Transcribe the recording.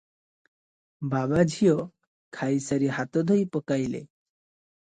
ବାବାଝିଅ ଖାଇସାରି ହାତ ଧୋଇ ପକାଇଲେ ।